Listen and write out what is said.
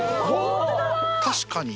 確かに。